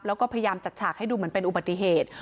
แล้วก็พยายามจัดฉากให้ดูเหมือนเป็นอุบัติเหตุ